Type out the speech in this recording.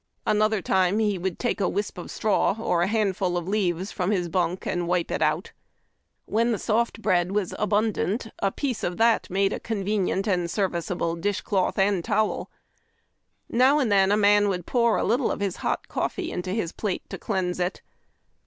Another time he would take a wisp of straw or a handful of leaves from his bunk, and wipe it out. When the soft bread was abundant, a piece of that made a convenient and serviceable dish cloth and towel. Now and then a man would pour a little of his hot coffee into his plate to cleanse it.